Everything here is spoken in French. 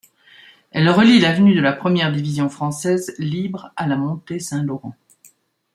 Elle relie l'avenue de la Première-division-française-libre à la montée Saint-Laurent.